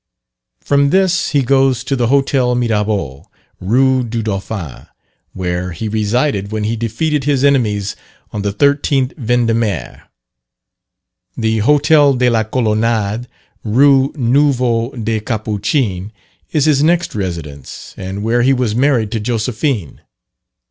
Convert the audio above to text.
From this he goes to the Hotel Mirabeau, Rue du Dauphin, where he resided when he defeated his enemies on the 13th Vendimaire. The Hotel de la Colonade, Rue Neuve des Capuchins is his next residence, and where he was married to Josephine.